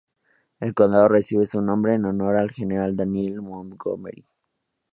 El condado recibe su nombre en honor al general Daniel Montgomery.